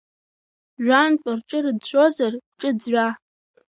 Жәантә рҿы рыӡәӡәозар бҿы ӡәӡәа.